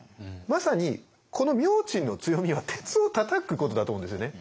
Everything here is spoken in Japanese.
まさにこの明珍の強みは鉄をたたくことだと思うんですよね。